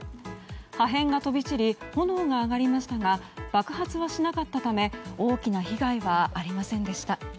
破片が飛び散り炎が上がりましたが爆発はしなかったため大きな被害はありませんでした。